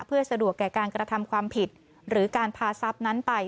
เพื่อสะดวกแก่การกระทำความผิดหรือการพาทรัพย์นั้นไป